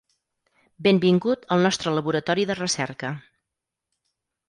Benvingut al nostre laboratori de recerca.